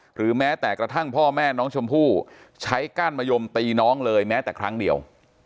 หรือแม้แต่กระทั่งพ่อแม่น้องชมพู่ใช้ก้านมะยมตีน้องเลยแม้แต่ครั้งเดียว